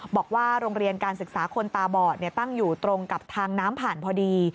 บอกว่าโรงเรียนการศึกษาคนตาบอดตั้งอยู่ตรงกับทางน้ำผ่านพอดี